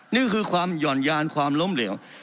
นี่คือความหย่อนยานความล้มเหลว